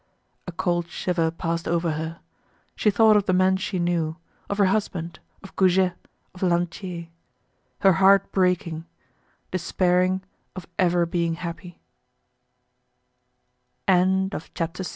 A cold shiver passed over her. She thought of the men she knew—of her husband, of Goujet, of Lantier—her heart breaking, despairing of ever being